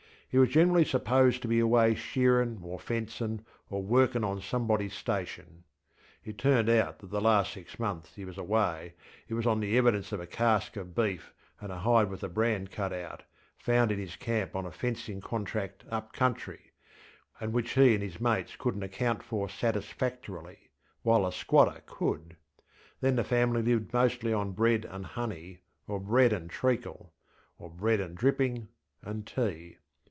He was generally supposed to be away shearinŌĆÖ, or fencinŌĆÖ, or workinŌĆÖ on somebodyŌĆÖs station. It turned out that the last six months he was away it was on the evidence of a cask of beef and a hide with the brand cut out, found in his camp on a fencing contract up country, and which he and his mates couldnŌĆÖt account for satisfactorily, while the squatter could. Then the family lived mostly on bread and honey, or bread and treacle, or bread and dripping, and tea.